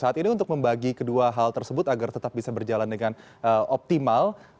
saat ini untuk membagi kedua hal tersebut agar tetap bisa berjalan dengan optimal